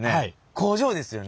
工場ですよね？